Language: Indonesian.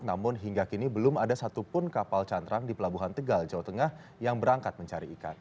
namun hingga kini belum ada satupun kapal cantrang di pelabuhan tegal jawa tengah yang berangkat mencari ikan